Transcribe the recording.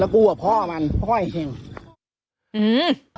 แล้วกูกับพ่อมันพ่อให้เช็ง